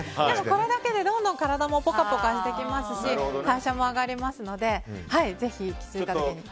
これだけでどんどん体もポカポカしてきますし代謝も上がりますので、ぜひ。